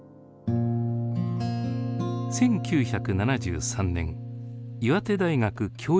１９７３年岩手大学教育学部に入学。